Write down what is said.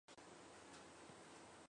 默斯河畔埃皮耶。